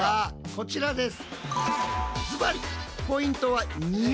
こちらです。